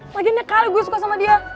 lagian nekali gue suka sama dia